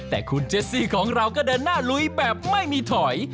แต่คุณเจสซี่ของเราก็เดินหน้าลุยแบบไม่มีถอย